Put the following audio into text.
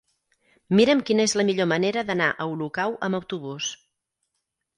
Mira'm quina és la millor manera d'anar a Olocau amb autobús.